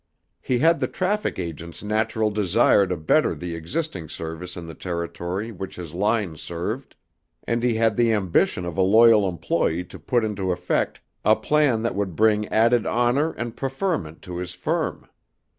He had the traffic agent's natural desire to better the existing service in the territory which his line served; and he had the ambition of a loyal employee to put into effect a plan that would bring added honor and preferment to his firm.